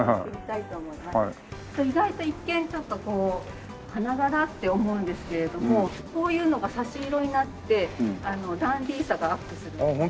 意外と一見ちょっとこう花柄？って思うんですけれどもこういうのが差し色になってダンディーさがアップするんですね。